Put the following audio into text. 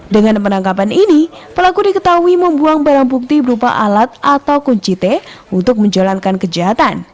dengan penangkapan ini pelaku diketahui membuang barang bukti berupa alat atau kunci t untuk menjalankan kejahatan